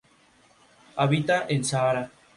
El anime es licenciado por Sentai Filmworks.